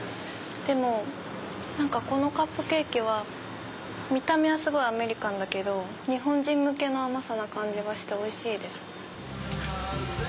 でもこのカップケーキは見た目はすごいアメリカンだけど日本人向けの甘さな感じがしておいしいです。